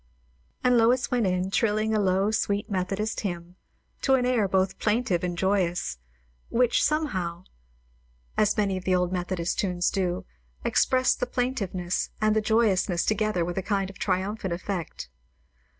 And Lois went in, trilling low a sweet Methodist hymn, to an air both plaintive and joyous, which somehow as many of the old Methodist tunes do expressed the plaintiveness and the joyousness together with a kind of triumphant effect.